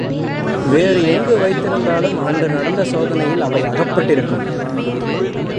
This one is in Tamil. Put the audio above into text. வேறு எங்கு வைத்திருந்தாலும் அன்று நடந்த சோதனையில் அவை அகப்பட்டிருக்கும்.